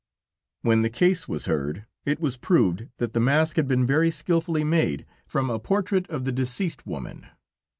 When the case was heard, it was proved that the mask had been very skillfully made from a portrait of the deceased woman.